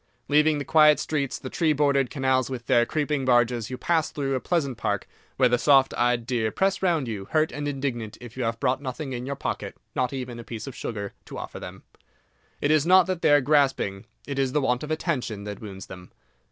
Leaving the quiet streets, the tree bordered canals, with their creeping barges, you pass through a pleasant park, where the soft eyed deer press round you, hurt and indignant if you have brought nothing in your pocket—not even a piece of sugar—to offer them. It is not that they are grasping—it is the want of attention that wounds them.